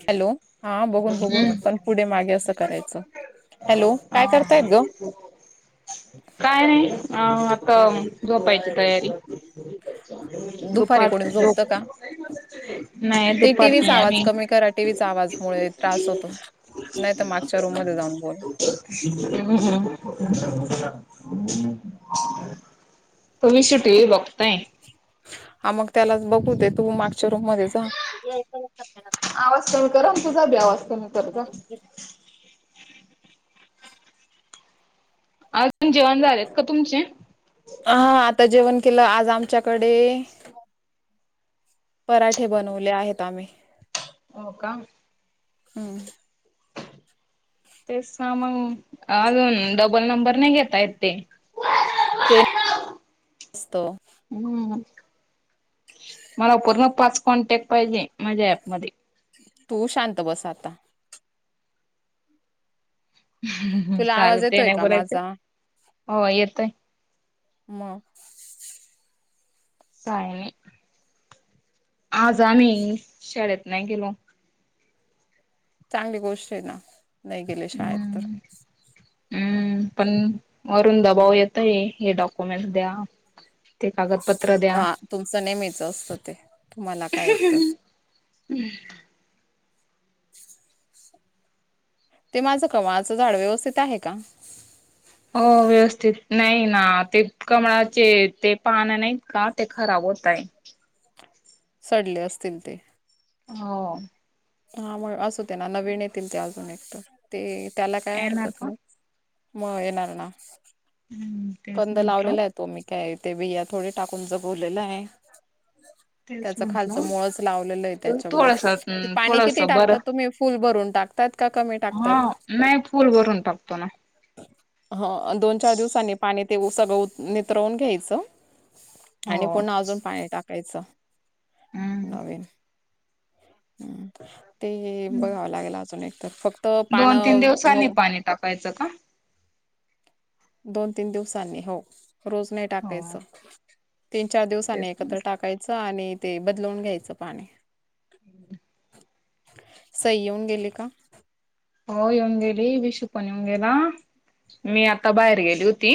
Hello. हा बघून-बघून हम्म पण पुढे मागे असं करायचं. अ हॅलो काय करतायत ग काय नाही. अ आता. झोपायची तयारी. दुपारी दुपार कोणी झोपतं झोप का नाही दुपारी नाहीं आम्ही. तुम्ही करा टीव्ही चा. आवाजमुळे त्रास होतो. हा नाही तर मागच्या रूम मध्ये जाऊन बोल हा. तुम्ही नुसतं टीव्ही बघताय. हा मग त्यालाच बघू दे. तू मागच्या रूम मध्ये जा. करन तुझा बी आवाज कमी कर तो. अजून जेवण झालेत का तुमचे. हा आता जेवण केलं आज आमच्याकडे. पराठे बनवले आहेत आम्ही. हो का. हम्म तेच ना मग. अजून डबल नंबर नाही घेता येत ते. असतो. हम्. मला पूर्ण पाच कॉन्टॅक्ट पाहिजे. माझ्या ऍपमध्ये. तू शांत बस आता. तुला आवाज चालेल ते येतोय नाही का बोलायच. माझा हो येतोय. मग काय नाही. आज आम्ही शाळेत नाही गेलो. चांगली गोष्ट आहे ना. नाही गेले शाळेत तर. हम्म हम्म पण वरून दबाव येतय, हे डॉक्युमेंट द्या. ते कागदपत्र द्या हा तुमचं नेहमीच असतं ते तुम्हाला काय तर हम् ते माझं कवळाचं झाड व्यवस्थित आहे का हो व्यवस्थित नाही ना ते कमळाचे ते पान नाहीत का ते खराब होतय सडले असतील ते हो हा म असू ते ना नवीन येतील ते अजून एक तरर ते त्याला काय येणार हरकत का नाही म येणार ना हम्म तेच कंद म्हटलं लावलेला आहे तो मी काय ते बिया थोडी टाकून जगवलेलं आहे तेच त्याच खालच म्हंटलं मळच लावलेलं आहे त्याच्यामुळे थोडस ते पाणी थोडस किती बरं टाकतात तुम्ही फुल भरून टाकता हा म पूल भरून टाकतो ना ह दोन चार दिवसांनी पाणी ते सगळं नित्रवून घ्यायचं आणि हो पुन्हा अजून पाणी टाकायचं हम्म नवीन हम्म ते बघावं लागेल अजून एक तर फक्त दोन तीन पानं म दिवसांनी पाणी टाकायचं का दोन तीन दिवसांनी हो रोज नाही हो टाकायचं तीन चार दिवसानी तेच एकत्र म्हटलं टाकायचं आणि ते बदलवून घ्यायचं पाणी ह सई येऊन गेली का हो येऊन गेली विशू पण येऊन गेला मी आता बाहेर गेली होती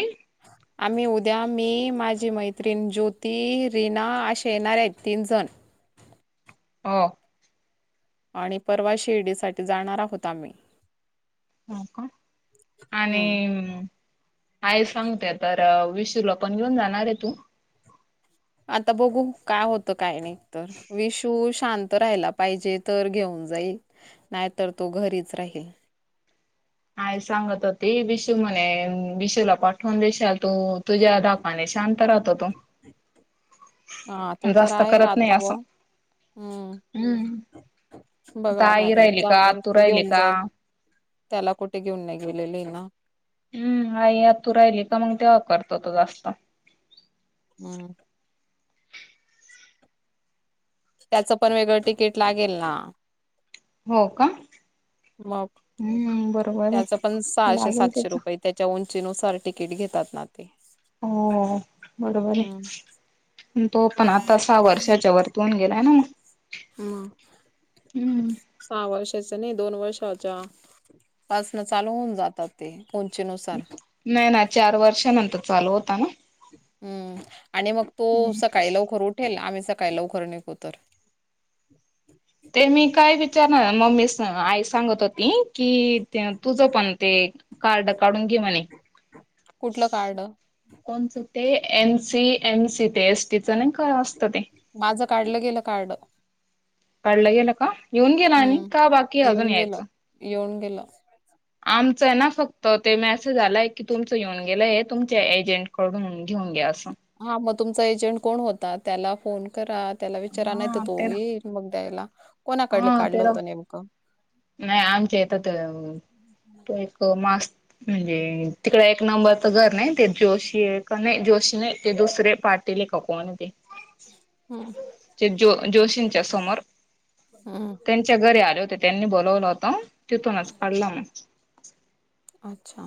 आम्ही उद्या मी माझी मैत्रीण ज्योती रीना असे येणारे आहेत तीन जण ह आणि परवा श ईडीसाठी जाणार आहोत आम्ही हो का हम्म आणि आहे सांगते तर विशूला पण घेऊन जाणार आहे तू आता बघू काय होत काय नाही तर विशू शांत राहायला पाहिजे तर घेऊन जाईल नाहीतर तो घरीच राहील [inaudible] हा सांगत होती विशू म्हणे विशूला पाठवून देशाल तू तुझ्या मणे शांत राहतो तो हा ते तर जास्त आहे करत नाही राहतो ब असं हम्म आता बघावं आई लागेल राहिली का जाऊ देल आतू राहिली घेऊन का जाईल त्याला कुठे घेऊन नाही गेलेली ना हम्म आई आ तू राहिली का मग तेव्हा करतो तो जास्त हम त्याचं पण वेगळं तिकीट लागेल ना. हो का मग हम्म बरोबर आहे त्याच पण सहाशे लागेल सातशे त्याचा रुपये त्याच्या उं. नुसार तिकीट घेतात ना. ते हो बरोबर हम्म आहे तो पण आता स वर्षाच्या वरतून. ना मग. हम हम्म सहा वर्षाच नाही दोन वर्षाच्या पासन चालू होऊन जातात ते उंचीनुसार नाही ना चार वर्षानंतर चालू होता ना. हम्म आणि मग तो सकाळी लवकर उठेल आम्ही. काही लवकर निघू तर. ते मी काय विचारणार मम्मीसन आईस सांगत होती कि तुझ पण ते कार्ड काढून घे म्हणे. कुठलं कार्ड कोणचं ते एन सी एम सी ते एस टी चं नाही काय असत. माझं काढलं गेलं कार्ड. काढलं गेलं का येऊन गेल आणि हम्म का बाकी अजून येऊन गेलं यायचं. [unintelligible] आमचं ना फक्त ते मेसेज आलाय की तुमचं येऊन गेलं हे तुमच्या एजंट कडून घेऊन घ्या असं. हा मग तुमचा एजंट कोण होता त्याला फोन करा त्याला विचारा नाही तर हा तो तेरा येइल मग द्यायला. कोणाकडले हा काढलं तेरा होतं नेमकं. नाही आमच्या इथं तर तो एक मास म्हणजे तिकडं एक नंबरच घर नाही ते जोशी नाही जोशी नाही ते दुसरे पा पाटील का कोण आहे ते. हम्म. ते जो जोशींच्या समोर हम्म त्यांच्या घरी आले होते त्यांनी बोलवलं होत तिथूनच काढला मग. अच्छा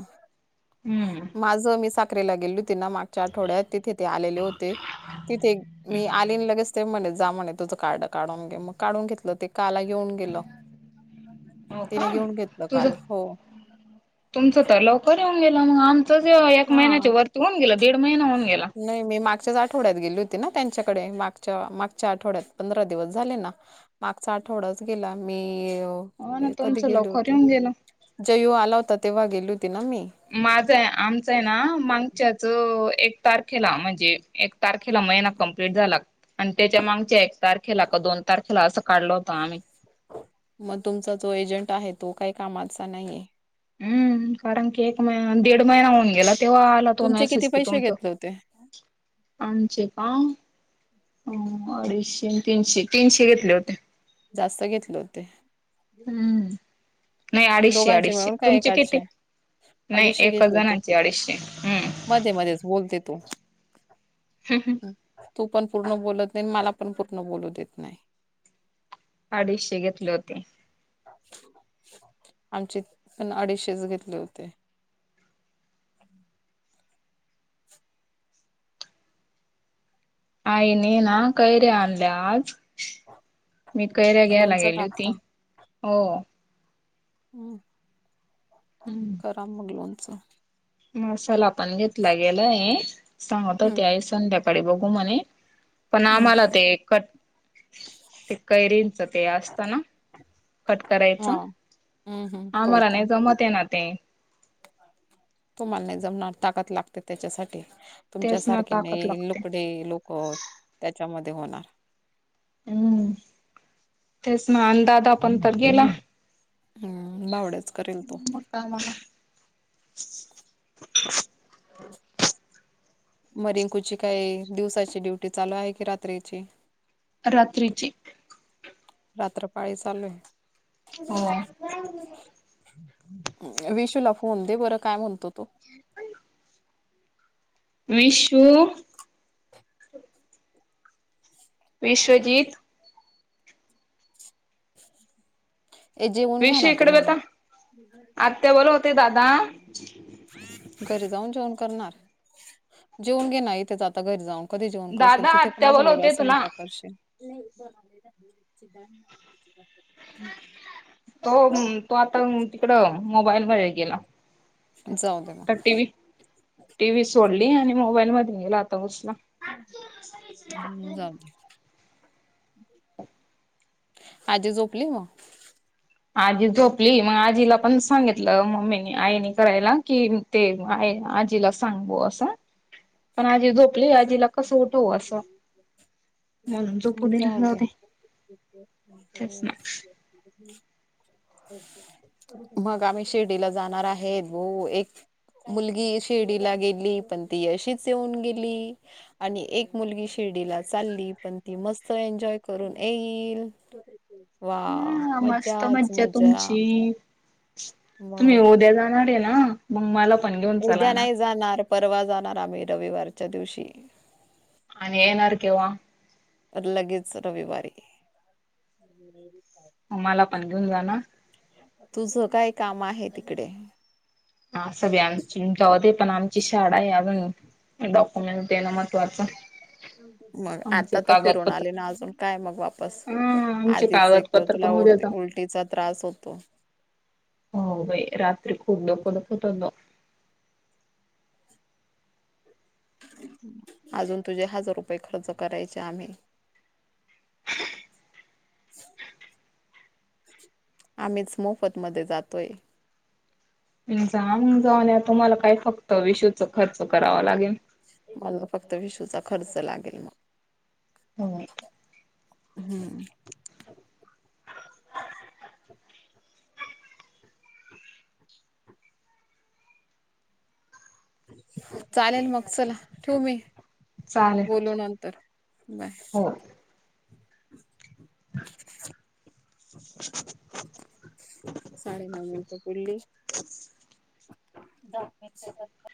माझ मी साक्रीला गेली होती मागच्या आठवड्यात तिथे ते आलेले होते. तिथे मी हम्म आली लगेच ते म्हणे ते जा म्हणे तुझं कार्ड काढून घे मग काढून घेतलं ते काला घेऊन गेलो हो तिने का घेऊन घेतलं तुझ काल हो. तुमचं तर लवकर येऊन गेलं मग आमचं एक हा महिन्याच्या वरती होऊन गेलं दीड महिना होऊन गेला नाही मी माग गच्याच आठवड्यात गेली होती ना त्यांच्याकडे मागच्या मागच्या आठवड्यात पंधरा दिवस झाले ना मागचा थोडाच केल आम्ही. हो ना कधी तुमचं गेले लवकर होते येऊन गेलं जयु आला होता तेव्हा गेली होती. ना मी माझं आहे आमचं आहे ना मागच्याच एक तारखेला म्हणजे एक तारखेला महिना कंप्लीट झाला आणि त्याच्या मागच्या एक तारखेला का दोन तारखेला असं काढल होत आम्ही. मग तुमचा जो एजंट आहे तो काही कामाचा नाहीये हम्म कारण की एक महिना दीड महिना होऊन गेला तेव्हा आला तो तुमचे किती मेसेज कि पैसे तुमच घेतले होते आमचे का हो अडीचशे तीनशे तीनशे घेतले होते. जास्त घेतलं होते. हम्म नाही अडीचशे दोघांचे अडीचशे मिळून काय तुमचे एकाचे किती. नाही अडीचशे एक घेतले होते. जणाची अडीचशे हम्म. मध्ये मध्येच बोलते तू हम्म हम्म. तू पण पूर्ण बोलत नाही मला पण पूर्ण बोलू देत नाही. अडीचशे घेतले होते. आमचे पण अडीचशेच घेतले होते. [unintelligible] आई ने ना काै रे आणल्या आज मी कैऱ्या घ्यायला लोणचं गेली टाकता होती हो. हम्म करा मग लोनचं मसाला पण घेतला गेला हे सांगत हम्म होते आ संध्याकाळी बघू म्हणे पण हम्म आम्हाला ते कट ते कैरींच ते असत ना कट करायचं हा हम्म हम्म आम्हाला कोयता नाही जमत आहे ना ते तुम्हा नाही जमणार ताकद लागते त्याच्यासाठी तेच ना तुमच्यासारखे ताकद नाही लागते लुकडे लोक त्याच्यामध्ये होणार हम्म तेच ना अंदादा पण तर गेला. हम्म भावड्याच करेल तो. मग [unintelligible] म रिंकूची काय दिवसाची ड्युटी चालू आहे की रात्रीची रात्रीची रात्र पाळी चालू आहे. हो. होउदे बरं काय म्हणतो. ह विशुऊ विश्वजीत हे जेवून घ्या विशू ना इकडे तुम्ही बता आत्या बोलवते दादा घरी जाऊन जाऊन जेऊन घेणार इथे आता घरी जाऊन कधी जेवन दादा करशील तिथे पण आत्या अजून वेगळा बोलवते तुला स्वयंपाक करशील. नाही ब तो तो आता तिकड मोबाईलमध्ये गेला. जाऊ दे मग तर टीव टीव्ही सोडली, आणि मोबाईल म गेला आता हम् झाले. आजी झोपली म आजी झोपली मग आजीला पण सांगितलं मम्मी आईने करायला कि ते आई आजी सांग अस पण आजीो आप आपले आजीला कस होतं असं म्हणून जोप हम्म, जाऊ दे त्याच ना. मग आम्ही शिर्डीला जाणार आहेत भाो एक मुलगी शिर्डीला गेली पण ती अशीच येऊन गेली. आणि एक मुलगी शिर्डीला चालली पण ती मस्त एन्जॉय करून येईल. वा हा मस्त मज्जाच मज्जा मजा तुमची. तुम्ही मग उद्या जाणार आहे ना मग मला पण घेऊन चला उद्या ना. नाही जाणार परवा जाणार, आम्ही रविवारच्या दिवशी आणि ये नाारकेवा लगेच रविवारी हो मला पण घेऊन जा ना. तुझ काय काम आहे तिकडे असूद्या [unintelligible] पण आमची शाळा अजून डॉक्युमेंट देणं महत्वाचं. मग आता तर फिरून आले ना, अजून काय मग वापस हम्म आमचे आधीच एक तर कागदपत्र तुला पण उद्याच उलटीचा त्रास होतो. हो बाई रात्री खूप दोख दुखत होत. अजून तुझे हजार रुपये खर्च करायचे आम्ही ह. आम्हीच मोफतमध्येध्ये जातोय. जाम जाऊन तुम्हाला काय फक्त विषूच खर्च करावा लागेल. मला फक्त विशूचा खर्च लागेल मग. हो. हम्म. चालेल मग चला ठेव मी चालेल बोलू नंतर बाय. हो. [unintelligible] [unintelligible] साडे नऊ मिनटं पुरली. [unintelligible] दाख मि [unintelligible]